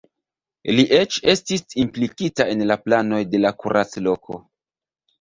Li eĉ estis implikita en la planoj de la kuracloko.